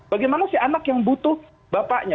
bagaimana si anak yang butuh bapaknya